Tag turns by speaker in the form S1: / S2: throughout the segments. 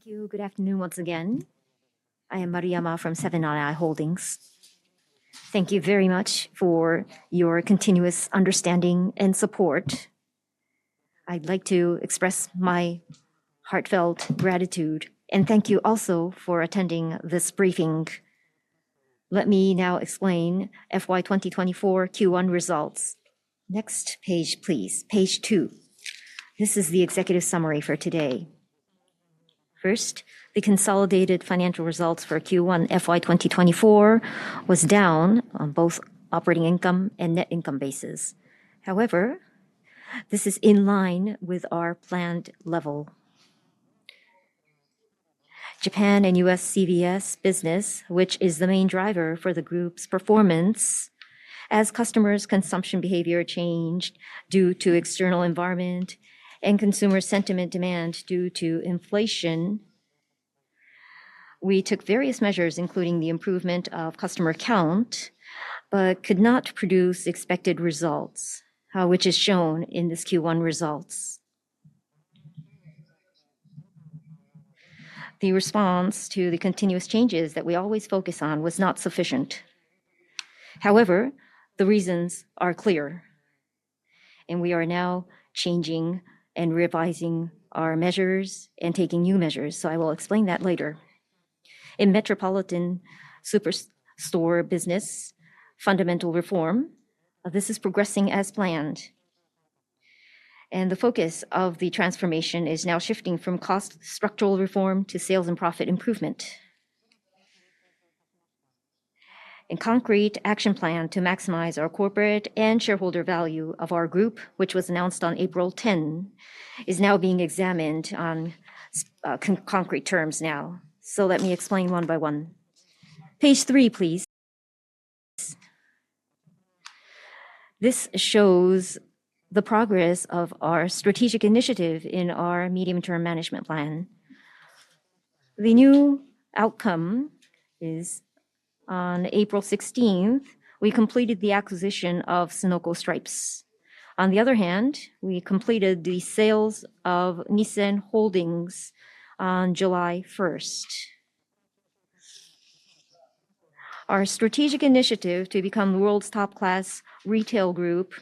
S1: Thank you. Good afternoon once again. I am Yoshimichi Maruyama from Seven & i Holdings. Thank you very much for your continuous understanding and support. I'd like to express my heartfelt gratitude, and thank you also for attending this briefing. Let me now explain FY 2024 Q1 results. Next page, please. Page two. This is the executive summary for today. First, the consolidated financial results for Q1 FY 2024 was down on both operating income and net income basis. However, this is in line with our planned level. Japan and U.S. CVS business, which is the main driver for the group's performance, as customers' consumption behavior changed due to external environment and consumer sentiment demand due to inflation, we took various measures, including the improvement of customer count, but could not produce expected results, which is shown in this Q1 results. The response to the continuous changes that we always focus on was not sufficient. However, the reasons are clear, and we are now changing and revising our measures and taking new measures, so I will explain that later. In metropolitan superstore business, fundamental reform, this is progressing as planned, and the focus of the transformation is now shifting from cost structural reform to sales and profit improvement. A concrete action plan to maximize our corporate and shareholder value of our group, which was announced on April 10, is now being examined on concrete terms now. So let me explain one by one. Page three, please. This shows the progress of our strategic initiative in our Medium-Term Management Plan. The new outcome is on April 16th, we completed the acquisition of Sunoco Stripes. On the other hand, we completed the sales of Nissen Holdings on July 1st. Our strategic initiative to become the world's top-class retail group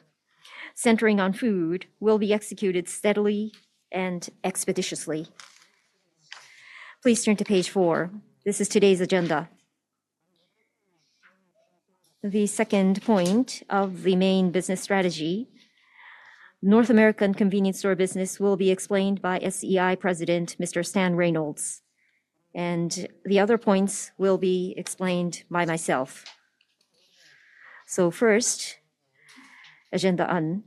S1: centering on food will be executed steadily and expeditiously. Please turn to page four. This is today's agenda. The second point of the main business strategy, North American convenience store business will be explained by SEI President, Mr. Stan Reynolds, and the other points will be explained by myself. So first, agenda on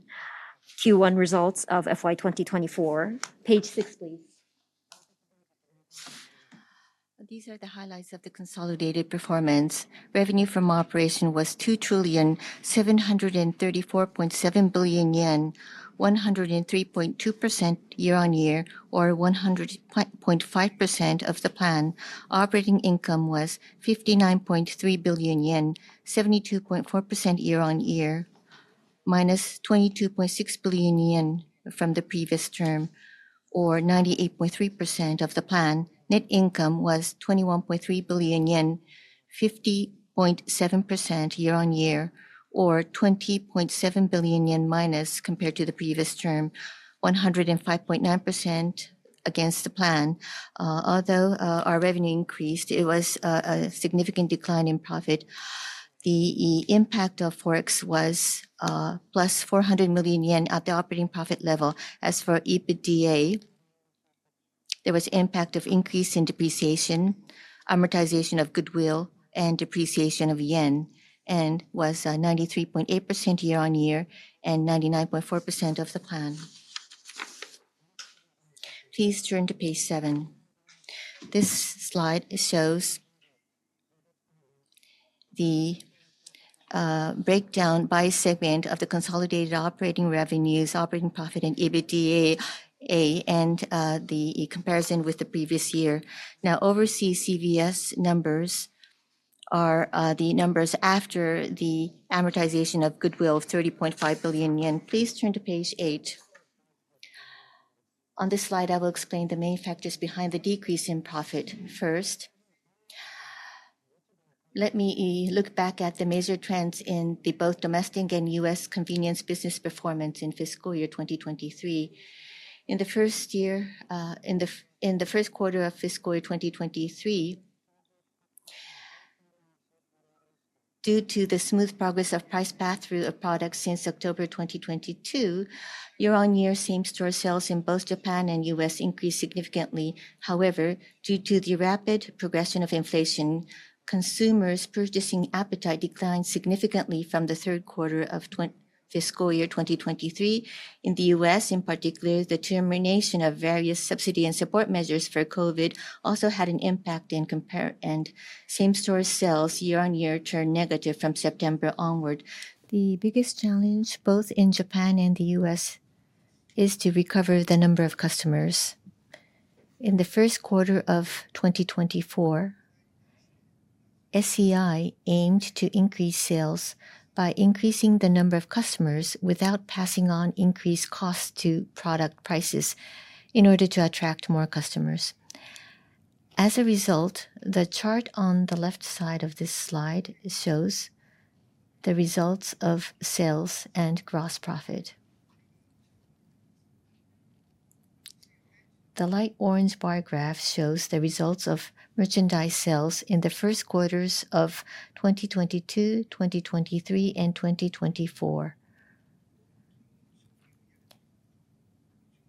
S1: Q1 results of FY 2024. Page six, please. These are the highlights of the consolidated performance. Revenue from operation was 2,734,700,000,000 yen, 103.2% year-on-year, or 100.5% of the plan. Operating income was 59.3 billion yen, 72.4% year-on-year, minus 22.6 billion yen from the previous term, or 98.3% of the plan. Net income was 21.3 billion yen, 50.7% year-on-year, or 20.7 billion yen minus, compared to the previous term, 105.9% against the plan. Although our revenue increased, it was a significant decline in profit. The impact of forex was plus 400 million yen at the operating profit level. As for EBITDA, there was impact of increase in depreciation, amortization of goodwill, and depreciation of yen, and was 93.8% year-on-year, and 99.4% of the plan. Please turn to page seven. This slide shows the breakdown by segment of the consolidated operating revenues, operating profit and EBITDA, and the comparison with the previous year. Now, overseas CVS numbers are the numbers after the amortization of goodwill of 30.5 billion yen. Please turn to page eight. On this slide, I will explain the main factors behind the decrease in profit first. Let me look back at the major trends in the both domestic and U.S. convenience business performance in fiscal year 2023. In the first quarter of fiscal year 2023, due to the smooth progress of price pass-through of products since October 2022, year-on-year same store sales in both Japan and US increased significantly. However, due to the rapid progression of inflation, consumers' purchasing appetite declined significantly from the third quarter of fiscal year 2023. In the US, in particular, the termination of various subsidy and support measures for COVID also had an impact in comparable and same-store sales year-on-year turned negative from September onward. The biggest challenge, both in Japan and the US, is to recover the number of customers. In the first quarter of 2024-... SEI aimed to increase sales by increasing the number of customers without passing on increased costs to product prices in order to attract more customers. As a result, the chart on the left side of this slide shows the results of sales and gross profit. The light orange bar graph shows the results of merchandise sales in the first quarters of 2022, 2023, and 2024.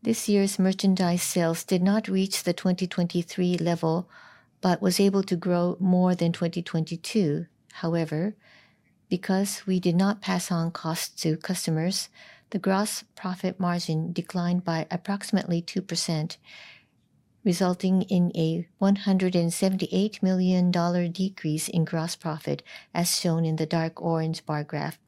S1: This year's merchandise sales did not reach the 2023 level, but was able to grow more than 2022. However, because we did not pass on costs to customers, the gross profit margin declined by approximately 2%, resulting in a $178 million decrease in gross profit, as shown in the dark orange bar graph.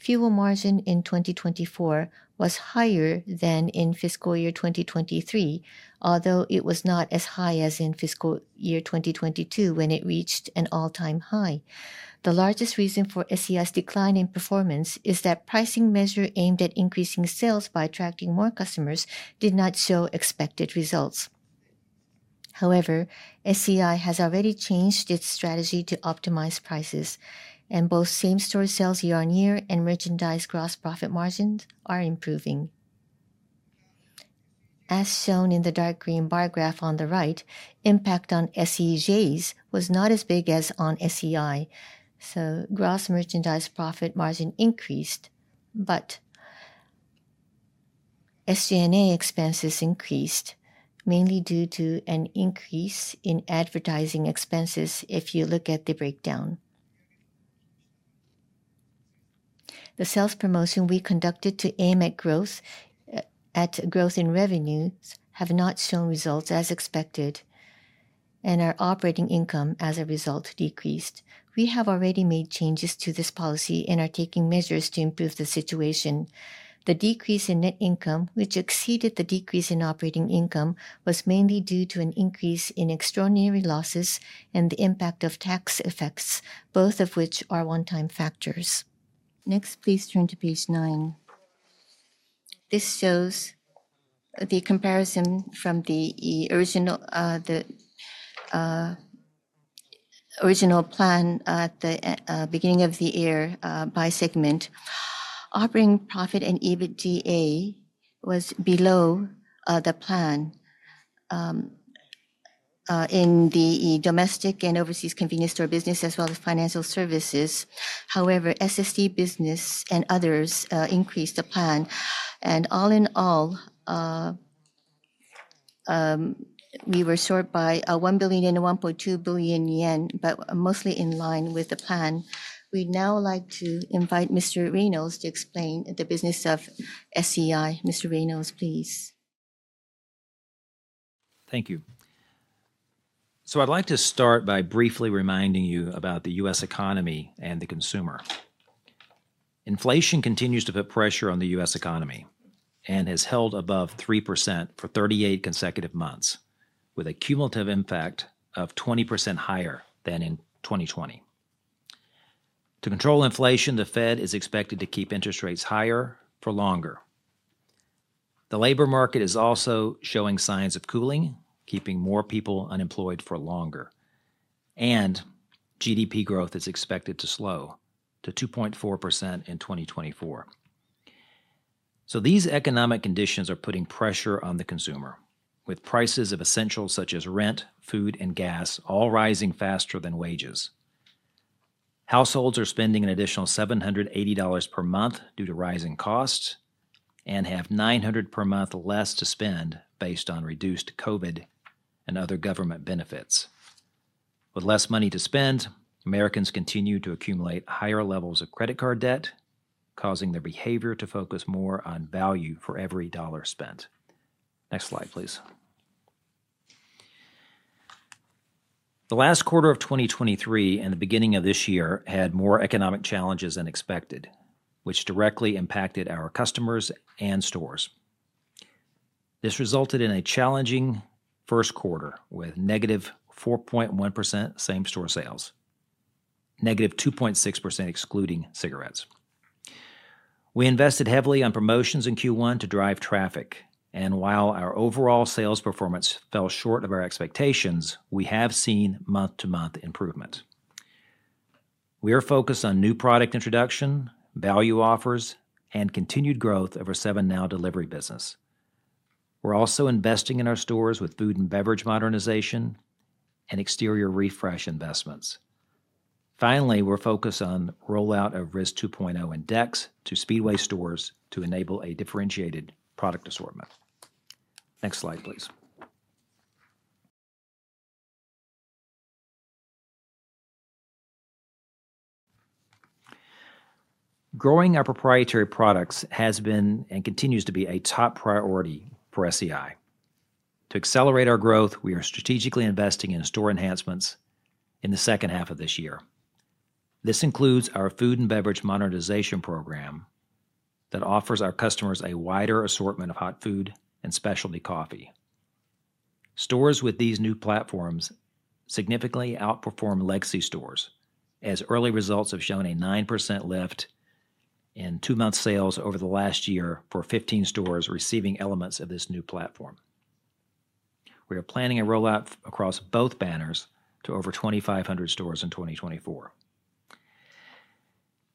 S1: Fuel margin in 2024 was higher than in fiscal year 2023, although it was not as high as in fiscal year 2022, when it reached an all-time high. The largest reason for SEI's decline in performance is that pricing measure aimed at increasing sales by attracting more customers did not show expected results. However, SEI has already changed its strategy to optimize prices, and both same-store sales year on year and merchandise gross profit margins are improving. As shown in the dark green bar graph on the right, impact on SEJ's was not as big as on SEI, so gross merchandise profit margin increased, but SG&A expenses increased, mainly due to an increase in advertising expenses if you look at the breakdown. The sales promotion we conducted to aim at growth, at growth in revenues have not shown results as expected, and our operating income, as a result, decreased. We have already made changes to this policy and are taking measures to improve the situation. The decrease in net income, which exceeded the decrease in operating income, was mainly due to an increase in extraordinary losses and the impact of tax effects, both of which are one-time factors. Next, please turn to page nine. This shows the comparison from the original, the original plan at the beginning of the year, by segment. Operating profit and EBITDA was below the plan in the domestic and overseas convenience store business, as well as financial services. However, SST business and others increased the plan. All in all, we were short by 1 billion yen and 1.2 billion yen, but mostly in line with the plan. We'd now like to invite Mr. Reynolds to explain the business of SEI. Mr. Reynolds, please.
S2: Thank you. I'd like to start by briefly reminding you about the U.S. economy and the consumer. Inflation continues to put pressure on the U.S. economy and has held above 3% for 38 consecutive months, with a cumulative impact of 20% higher than in 2020. To control inflation, the Fed is expected to keep interest rates higher for longer. The labor market is also showing signs of cooling, keeping more people unemployed for longer, and GDP growth is expected to slow to 2.4% in 2024. These economic conditions are putting pressure on the consumer, with prices of essentials such as rent, food, and gas all rising faster than wages. Households are spending an additional $780 per month due to rising costs and have $900 per month less to spend based on reduced COVID and other government benefits. With less money to spend, Americans continue to accumulate higher levels of credit card debt, causing their behavior to focus more on value for every dollar spent. Next slide, please. The last quarter of 2023 and the beginning of this year had more economic challenges than expected, which directly impacted our customers and stores. This resulted in a challenging first quarter, with -4.1% same-store sales, -2.6% excluding cigarettes. We invested heavily on promotions in Q1 to drive traffic, and while our overall sales performance fell short of our expectations, we have seen month-to-month improvement. We are focused on new product introduction, value offers, and continued growth of our 7NOW delivery business. We're also investing in our stores with food and beverage modernization and exterior refresh investments. Finally, we're focused on rollout of RIS 2.0 and DAX to Speedway stores to enable a differentiated product assortment. Next slide, please. Growing our proprietary products has been and continues to be a top priority for SEI. To accelerate our growth, we are strategically investing in store enhancements in the second half of this year. This includes our food and beverage modernization program that offers our customers a wider assortment of hot food and specialty coffee. Stores with these new platforms significantly outperform legacy stores, as early results have shown a 9% lift in two-month sales over the last year for 15 stores receiving elements of this new platform. We are planning a rollout across both banners to over 2,500 stores in 2024.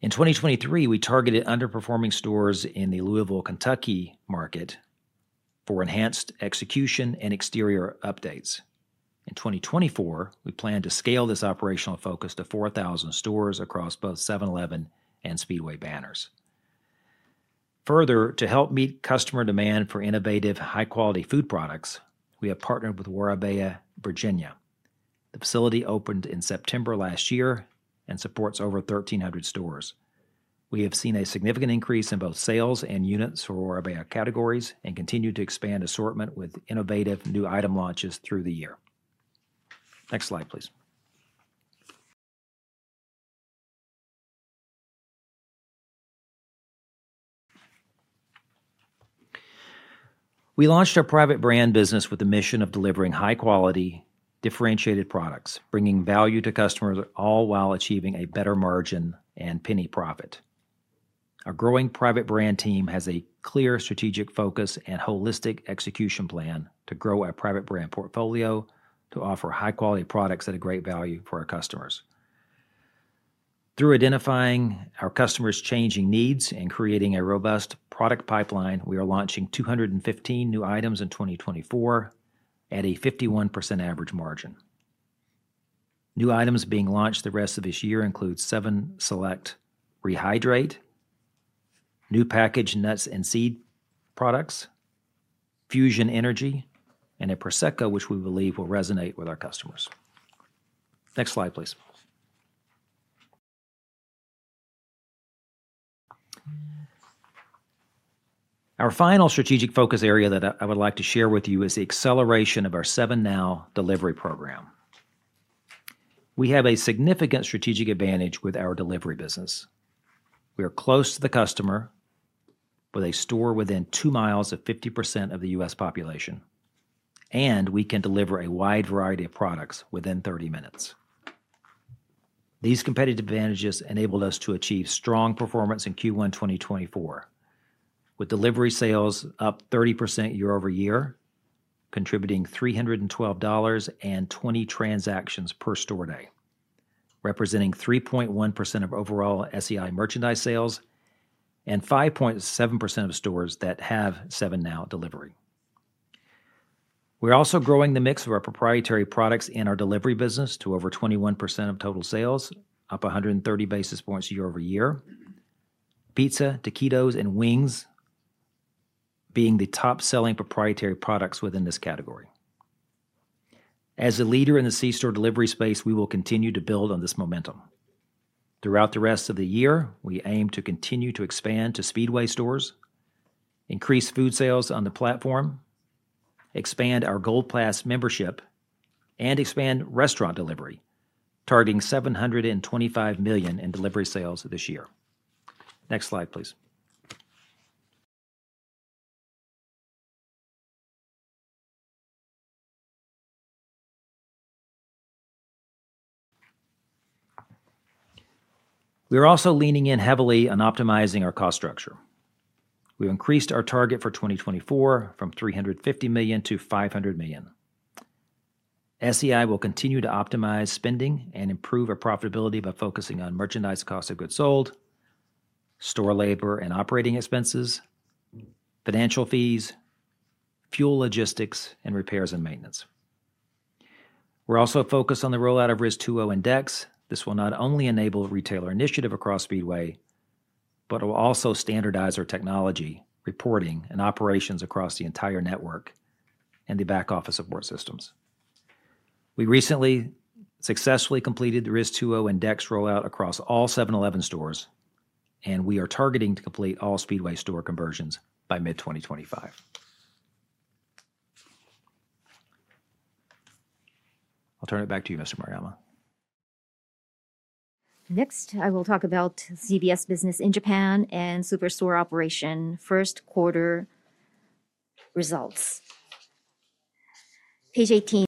S2: In 2023, we targeted underperforming stores in the Louisville, Kentucky, market for enhanced execution and exterior updates. In 2024, we plan to scale this operational focus to 4,000 stores across both 7-Eleven and Speedway banners. Further, to help meet customer demand for innovative, high-quality food products, we have partnered with Warabeya, Virginia. The facility opened in September last year and supports over 1,300 stores. We have seen a significant increase in both sales and units for Warabeya categories and continue to expand assortment with innovative new item launches through the year. Next slide, please. We launched our private brand business with the mission of delivering high-quality, differentiated products, bringing value to customers, all while achieving a better margin and penny profit. Our growing private brand team has a clear strategic focus and holistic execution plan to grow our private brand portfolio to offer high-quality products at a great value for our customers. Through identifying our customers' changing needs and creating a robust product pipeline, we are launching 215 new items in 2024 at a 51% average margin. New items being launched the rest of this year include 7-Select Rehydrate, new packaged nuts and seed products, Fusion Energy, and a Prosecco, which we believe will resonate with our customers. Next slide, please. Our final strategic focus area that I would like to share with you is the acceleration of our 7NOW delivery program. We have a significant strategic advantage with our delivery business. We are close to the customer, with a store within two miles of 50% of the U.S. population, and we can deliver a wide variety of products within 30 minutes. These competitive advantages enabled us to achieve strong performance in Q1 2024, with delivery sales up 30% year-over-year, contributing $312 and 20 transactions per store day, representing 3.1% of overall SEI merchandise sales and 5.7% of stores that have 7NOW delivery. We're also growing the mix of our proprietary products in our delivery business to over 21% of total sales, up 130 basis points year-over-year. Pizza, taquitos, and wings being the top-selling proprietary products within this category. As a leader in the C-store delivery space, we will continue to build on this momentum. Throughout the rest of the year, we aim to continue to expand to Speedway stores, increase food sales on the platform, expand our Gold Pass membership, and expand restaurant delivery, targeting $725 million in delivery sales this year. Next slide, please. We are also leaning in heavily on optimizing our cost structure. We've increased our target for 2024 from $350 million to $500 million. SEI will continue to optimize spending and improve our profitability by focusing on merchandise cost of goods sold, store labor and operating expenses, financial fees, fuel logistics, and repairs and maintenance. We're also focused on the rollout of RIS 2.0 and DAX. This will not only enable retailer initiative across Speedway, but it will also standardize our technology, reporting, and operations across the entire network and the back office support systems. We recently successfully completed the RIS 2.0 and DAX rollout across all 7-Eleven stores, and we are targeting to complete all Speedway store conversions by mid-2025. I'll turn it back to you, Mr. Maruyama.
S1: Next, I will talk about CVS business in Japan and superstore operation first quarter results. Page 18,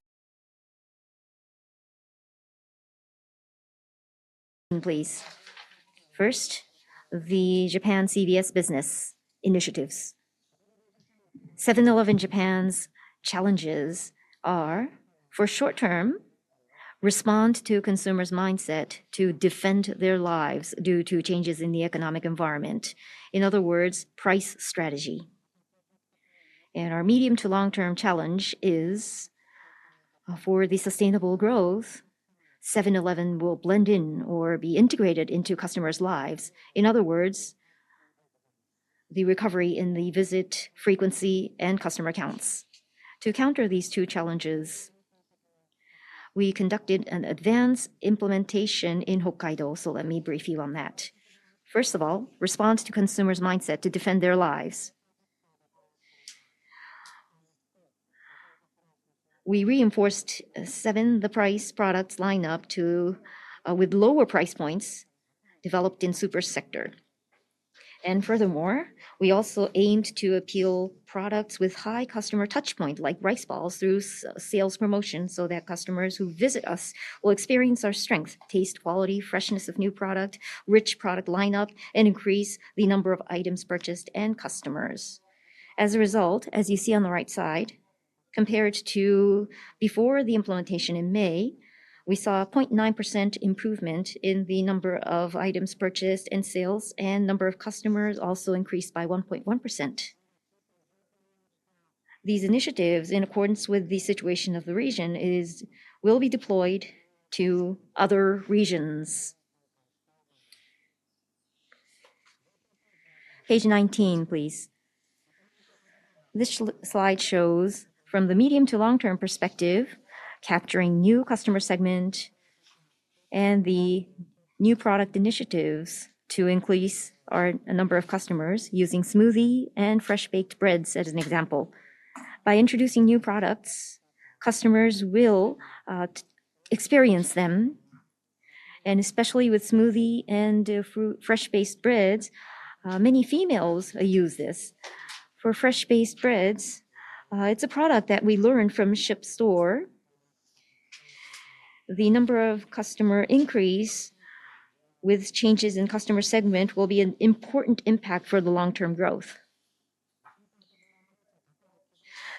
S1: please. First, the Japan CVS business initiatives. 7-Eleven Japan's challenges are, for short term, respond to consumers' mindset to defend their lives due to changes in the economic environment. In other words, price strategy. Our medium to long-term challenge is for the sustainable growth, 7-Eleven will blend in or be integrated into customers' lives. In other words, the recovery in the visit frequency and customer counts. To counter these two challenges, we conducted an advanced implementation in Hokkaido, so let me brief you on that. First of all, respond to consumers' mindset to defend their lives.... We reinforced Seven The Price product lineup to, with lower price points developed in super sector. And furthermore, we also aimed to appeal products with high customer touch point, like rice balls, through sales promotion, so that customers who visit us will experience our strength, taste, quality, freshness of new product, rich product lineup, and increase the number of items purchased and customers. As a result, as you see on the right side, compared to before the implementation in May, we saw a 0.9% improvement in the number of items purchased and sales, and number of customers also increased by 1.1%. These initiatives, in accordance with the situation of the region, will be deployed to other regions. Page 19, please. This slide shows from the medium to long-term perspective, capturing new customer segment and the new product initiatives to increase our number of customers using smoothie and fresh baked breads, as an example. By introducing new products, customers will experience them, and especially with smoothie and fresh baked breads, many females use this. For fresh baked breads, it's a product that we learned from SIP Store. The number of customer increase with changes in customer segment will be an important impact for the long-term growth.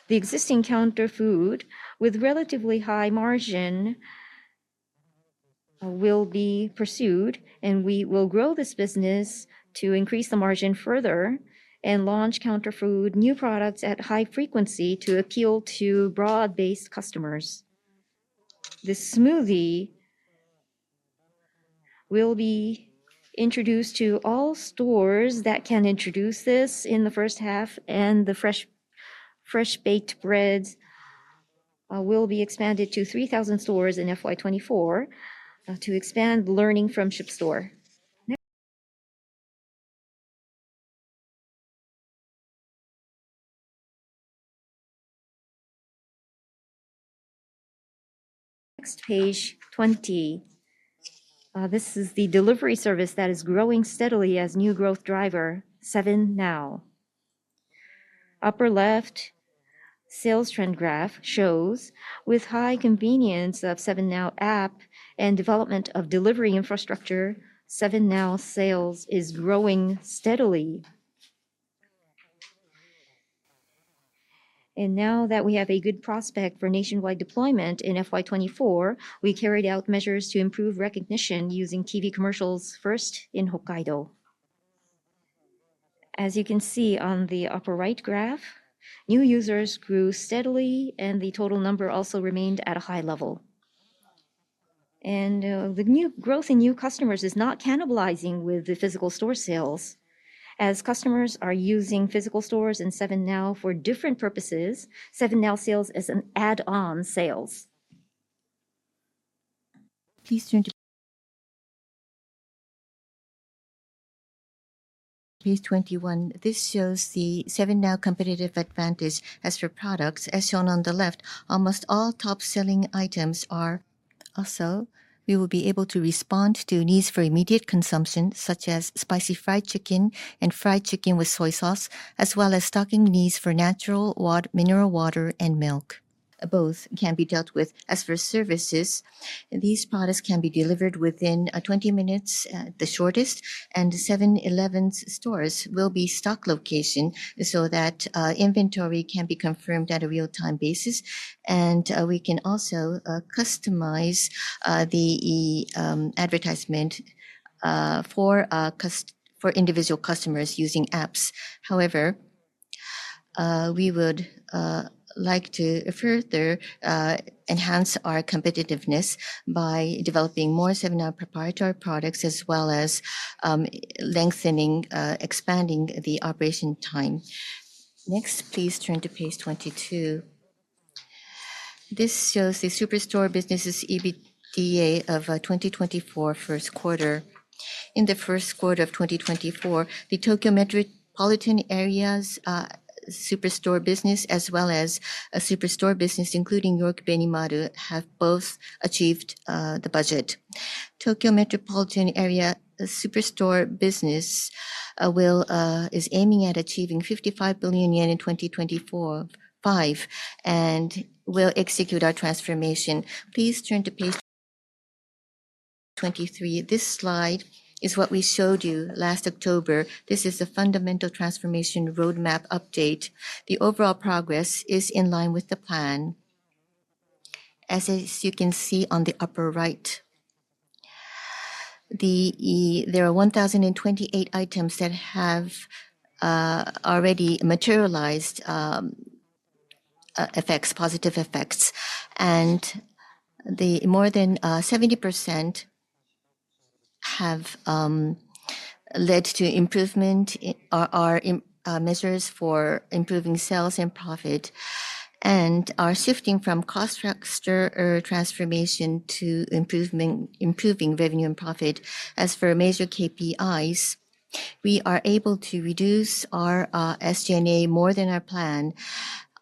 S1: The existing counter food, with relatively high margin, will be pursued, and we will grow this business to increase the margin further and launch counter food new products at high frequency to appeal to broad-based customers. The Smoothie will be introduced to all stores that can introduce this in the first half, and the fresh, fresh baked breads will be expanded to 3,000 stores in FY 2024 to expand learning from SIP Store. Next page, 20. This is the delivery service that is growing steadily as new growth driver, 7NOW Upper left sales trend graph shows with high convenience of 7NOW app and development of delivery infrastructure, 7NOW sales is growing steadily. And now that we have a good prospect for nationwide deployment in FY 2024, we carried out measures to improve recognition using TV commercials first in Hokkaido. As you can see on the upper right graph, new users grew steadily, and the total number also remained at a high level. And, the new growth in new customers is not cannibalizing with the physical store sales. As customers are using physical stores and 7NOW for different purposes, 7NOW sales is an add-on sales. Please turn to page 21. This shows the 7NOW competitive advantage. As for products, as shown on the left, almost all top-selling items are. Also, we will be able to respond to needs for immediate consumption, such as spicy fried chicken and fried chicken with soy sauce, as well as stocking needs for natural mineral water and milk. Both can be dealt with. As for services, these products can be delivered within 20 minutes, the shortest, and the 7-Eleven stores will be stock location, so that inventory can be confirmed at a real-time basis. And we can also customize the advertisement for individual customers using apps. However, we would like to further enhance our competitiveness by developing more 7NOW proprietary products, as well as lengthening, expanding the operation time. Next, please turn to page 22. This shows the superstore business's EBITDA of 2024 first quarter. In the first quarter of 2024, the Tokyo metropolitan area's superstore business, as well as a superstore business, including York-Benimaru, have both achieved the budget. Tokyo metropolitan area superstore business will is aiming at achieving 55 billion yen in 2024 to 2025, and we'll execute our transformation. Please turn to page 23. This slide is what we showed you last October. This is the fundamental transformation roadmap update. The overall progress is in line with the plan. As you can see on the upper right, the... There are 1,028 items that have already materialized positive effects, and the more than 70% have led to improvement measures for improving sales and profit, and are shifting from cost structure or transformation to improvement, improving revenue and profit. As for major KPIs-... we are able to reduce our SG&A more than our plan.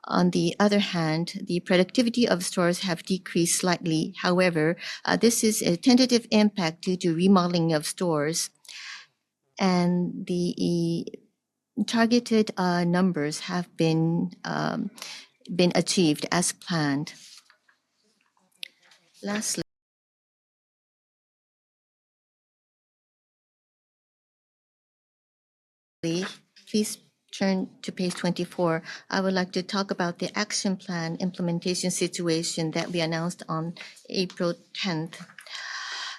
S1: On the other hand, the productivity of stores have decreased slightly. However, this is a tentative impact due to remodeling of stores, and the targeted numbers have been achieved as planned. Lastly, please turn to page 24. I would like to talk about the action plan implementation situation that we announced on April tenth.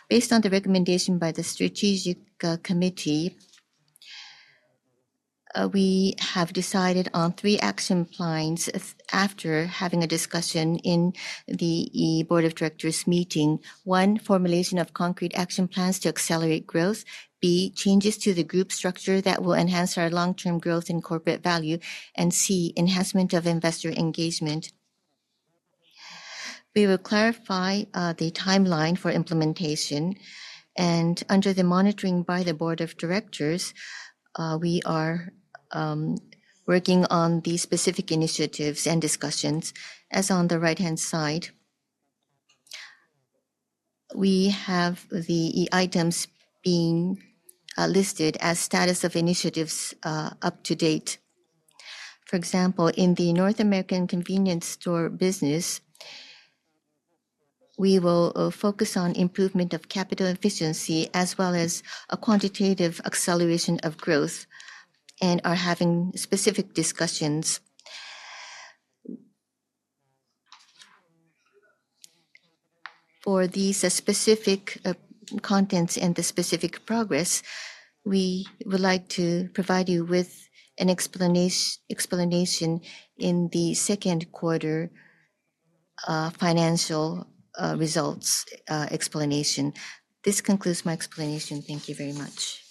S1: Based on the recommendation by the Strategy Committee we have decided on three action plans after having a discussion in the Board of Directors meeting. One, formulation of concrete action plans to accelerate growth. B, changes to the group structure that will enhance our long-term growth and corporate value, and C, enhancement of investor engagement. We will clarify the timeline for implementation, and under the monitoring by the Board of Directors, we are working on the specific initiatives and discussions. As on the right-hand side, we have the items being listed as status of initiatives up to date. For example, in the North American convenience store business, we will focus on improvement of capital efficiency, as well as a quantitative acceleration of growth, and are having specific discussions. For these specific contents and the specific progress, we would like to provide you with an explanation in the second quarter financial results explanation. This concludes my explanation. Thank you very much.